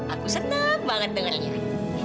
aku senang banget dengan ini